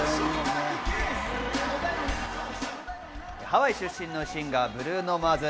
ハワイ出身のシンガー、ブルーノ・マーズ。